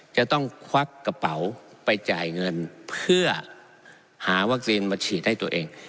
ควักกระเป๋าไปจ่ายเงินเพื่อหาวัคซีนมาฉีดให้ตัวเอง